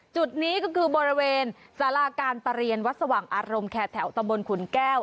จุดนี้ก็คือบริเวณสาราการประเรียนวัดสว่างอารมณ์แคร์แถวตะบนขุนแก้ว